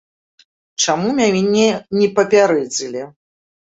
Чаму мяне не папярэдзілі?